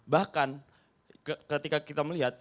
bahkan ketika kita melihat